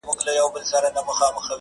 له هغه خو مي زړگی قلم قلم دئ؛